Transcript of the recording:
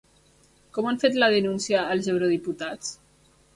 Com han fet la denúncia els eurodiputats?